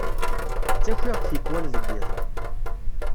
Ttakiɣ-d tikwal deg yiḍ.